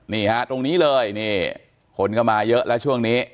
นี่ฮะตรงนี้เลยนี่คนก็มาเยอะแล้วช่วงนี้